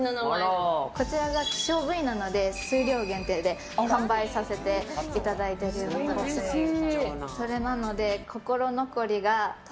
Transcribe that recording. こちらが希少部位なので数量限定で販売させていただいてます。